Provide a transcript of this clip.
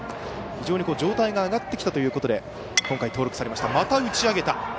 非常に状態が上がってきたということで今回登録されました。